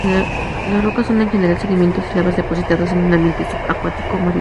Las rocas son, en general, sedimentos y lavas depositados en un ambiente subacuático marino.